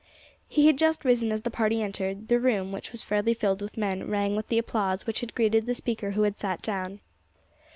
He had just risen as the party entered; the room, which was fairly filled with men, rang with the applause which had greeted the speaker who had sat down.